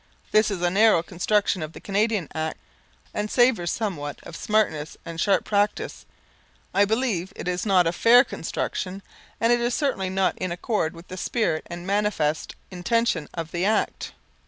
This is a narrow construction of the Canadian Act, and savours somewhat of smartness and sharp practice. I believe it is not a fair construction and is certainly not in accord with the spirit and manifest intention of the Act.